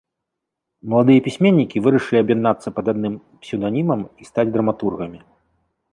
Маладыя пісьменнікі вырашылі аб'яднацца пад адным псеўданімам і стаць драматургамі.